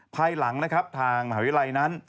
ภายหลังนะครับทางมหาวิทยาลัยนั้น